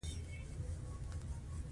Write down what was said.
که زندان که پنجره وه نس یې موړ وو